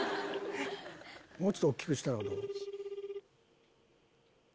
もうちょっと大きくしたら？